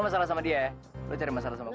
masalah sama dia ya lo cari masalah sama aku